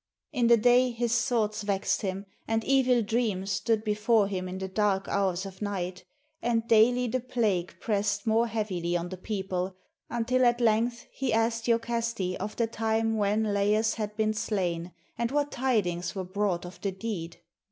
In the day his thoughts vexed him, and evil dreams stood before him in the dark hours of night; and daily the plague pressed more heavily on the people, until at length he asked lokaste of the time when Laios had been slain, and what tidings were brought of the deed.